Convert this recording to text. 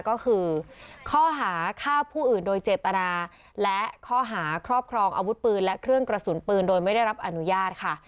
ก็คือข้อหาฆ่าผู้อื่นโดยเจตนาและข้อหาครอบครองอาวุธปืนและเครื่องกระสุนปืนโดยไม่ได้รับอนุญาตค่ะ